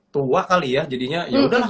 tua kali ya jadinya ya udah lah